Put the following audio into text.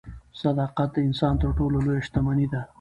صداقت د انسان تر ټولو لویه شتمني ده.